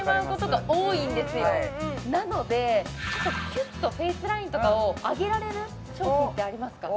はいなのでちょっとキュッとフェイスラインとかを上げられる商品ってありますか？